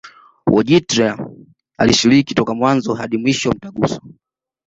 Wojtyla alishiriki toka mwanzo hadi mwisho Mtaguso